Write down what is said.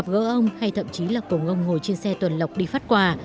vỡ ông hay thậm chí là cổ ngông ngồi trên xe tuần lọc đi phát quà